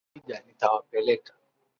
Wakija nitawapeleka.